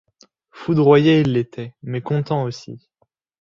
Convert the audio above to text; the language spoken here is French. Foudroyé, il l'était, mais content aussi.